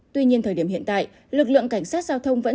tuy nhiên thời điểm hiện tại lực lượng cảnh sát giao thông vẫn